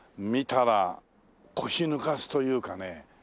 見たら腰抜かすというかね。